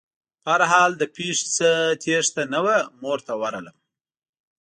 په هر حال له پېښې نه تېښته نه وه مور ته ورغلم.